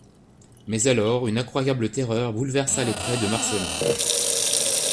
Mais alors, une incroyable terreur bouleversa les traits de Marcelin.